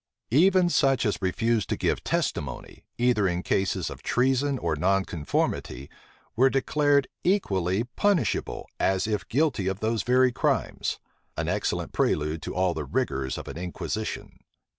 Even such as refused to give testimony, either in cases of treason or nonconformity, were declared equally punishable as if guilty of those very crimes; an excellent prelude to all the rigors of an inquisition.